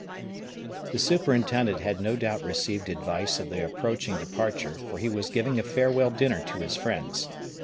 The superintendent had no doubt received advice of the approaching departure, for he was giving a farewell dinner to his friends.